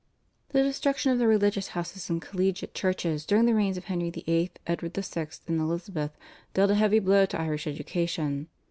The destruction of the religious houses and collegiate churches during the reigns of Henry VIII., Edward VI., and Elizabeth dealt a heavy blow to Irish education.